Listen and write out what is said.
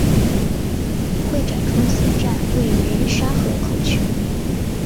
会展中心站位于沙河口区。